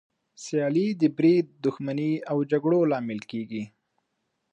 سیالي د بريد، دښمني او جګړو لامل کېږي.